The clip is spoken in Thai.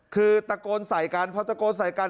คือตะโกนใส่กันพอตะโกนใส่กัน